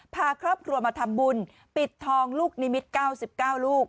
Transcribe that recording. พาครอบครัวมาทำบุญปิดทองลูกนิมิตร๙๙ลูก